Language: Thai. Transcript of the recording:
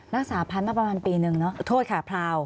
รักษาพันธุ์มาประมาณปีนึงเนอะโทษค่ะพราว